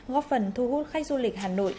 góp phần thu hút khách du lịch hà nội